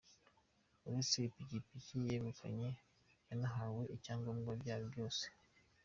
Uretse ipikipiki yegukanye yanahawe ibyangombwa byayo byose.